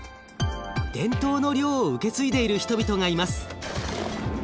伝統の漁を受け継いでいる人々がいます。